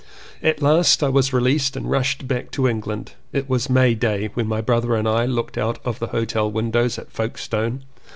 At last I was released and rushed back to England. It was May Day when my brother and I looked out of the hotel windows at Folkestone.